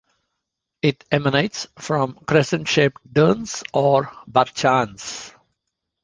It emanates from crescent-shaped dunes, or barchans.